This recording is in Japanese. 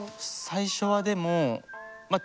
最初はでもへえ。